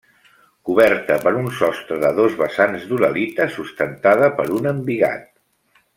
Coberta per un sostre de dos vessants d'uralita sustentada per un embigat.